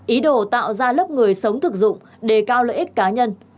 ý đồ tạo ra lớp người sống thực dụng đề cao lợi ích cá nhân